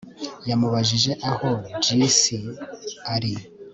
yamubajije aho jessie ari